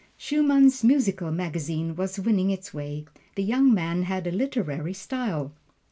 Schumann's musical magazine was winning its way the young man had a literary style.